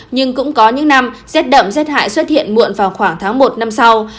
nhưng cũng có những năm rét đậm rét hại xuất hiện muộn vào khoảng tháng một năm sau